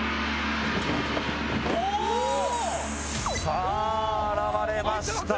さあ現れました